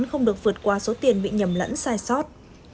không được vượt qua số tiền bị nhầm lẫn sai sót